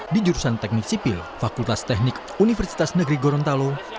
di jurusan teknik sipil fakultas teknik universitas negeri gorontalo